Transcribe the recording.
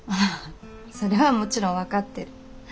それはもちろん分かってる。